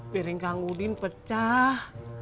piring kang udin pecah